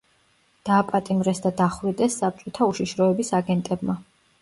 დააპატიმრეს და დახვრიტეს საბჭოთა უშიშროების აგენტებმა.